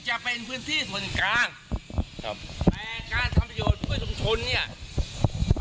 อุปกรณ์ที่มีอยู่ควรมาใช้ไปอยู่ให้ได้